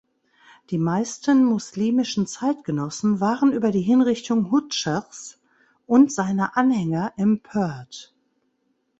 Die meisten muslimischen Zeitgenossen waren über die Hinrichtung Hudschrs und seiner Anhänger empört.